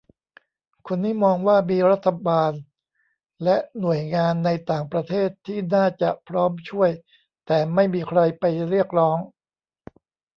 คนนี้มองว่ามีรัฐบาลและหน่วยงานในต่างประเทศที่น่าจะพร้อมช่วย แต่ไม่มีใครไปเรียกร้อง